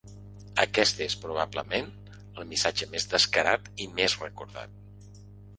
Aquest és, probablement, el missatge més descarat i més recordat.